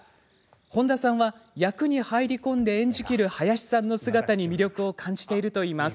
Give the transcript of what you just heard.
本多さんは、役に入り込んで演じきる林さんの姿に魅力を感じているといいます。